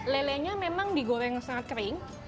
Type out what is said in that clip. lele nya memang digoreng sangat kering